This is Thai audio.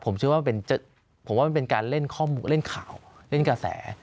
ผมว่ามันเป็นการเล่นข้อมูลเล่นข่าวเล่นกระแส